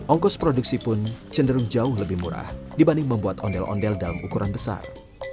ongkos produksi pun cenderung jauh lebih murah dibanding membuat ondel ondel dalam ukuran besar